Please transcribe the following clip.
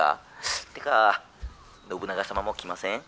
ってか信長様も来ません？」。